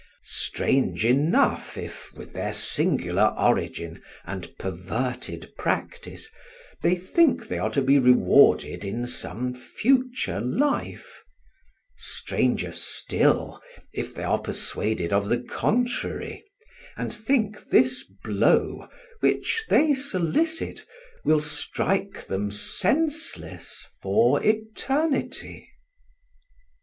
Strange enough if, with their singular origin and perverted practice, they think they are to be rewarded in some future life: stranger still, if they are persuaded of the contrary, and think this blow, which they solicit, will strike them senseless for eternity.